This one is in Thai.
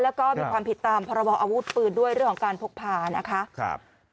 แล้วก็มีความผิดตามพรบออาวุธปืนด้วยเรื่องของการพกพานะคะ